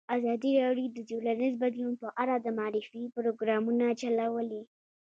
ازادي راډیو د ټولنیز بدلون په اړه د معارفې پروګرامونه چلولي.